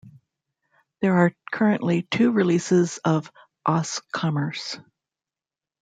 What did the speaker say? There are currently two releases of OsCommerce.